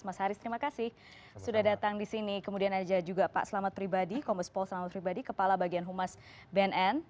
mas haris terima kasih sudah datang di sini kemudian ada juga pak selamat pribadi kompes pol selamat pribadi kepala bagian humas bnn